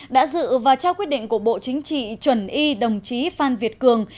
đã dự và trao quyết định của bộ chính trị chuẩn y đồng chí phan việt cường